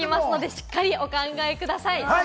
しっかりお考えください。